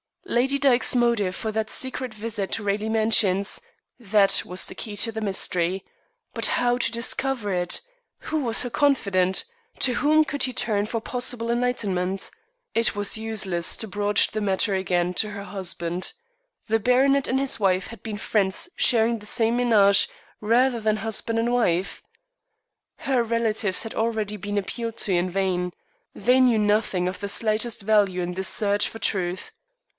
Lady Dyke's motive for that secret visit to Raleigh Mansions that was the key to the mystery. But how to discover it? Who was her confidant? To whom could he turn for possible enlightenment? It was useless to broach the matter again to her husband. The baronet and his wife had been friends sharing the same ménage rather than husband and wife. Her relatives had already been appealed to in vain. They knew nothing of the slightest value in this search for truth.